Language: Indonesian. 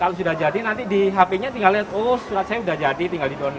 kalau sudah jadi nanti di hp nya tinggal lihat oh surat saya sudah jadi tinggal di down